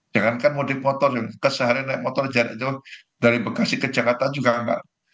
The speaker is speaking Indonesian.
jangankan modik motor yang seharian naik motor jarak itu dari bekasi ke jakarta juga enggak